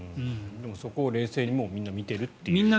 そこを冷静にもうみんな見ているという。